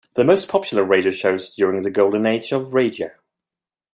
The most popular radio shows during the Golden Age of Radio.